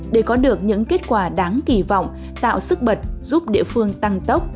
để có được những kết quả đáng kỳ vọng tạo sức bật giúp địa phương tăng tốc